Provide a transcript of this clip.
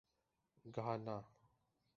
Ghana